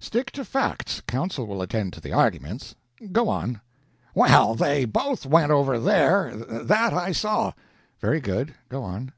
Stick to facts counsel will attend to the arguments. Go on." "Well, they both went over there that I saw." "Very good. Go on."